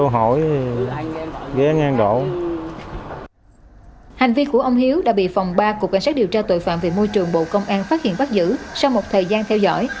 hành vi của ông hiếu đã bị phòng ba cục cảnh sát điều tra tội phạm về môi trường bộ công an phát hiện bắt giữ sau một thời gian theo dõi